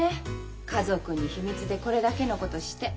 家族に秘密でこれだけのことして。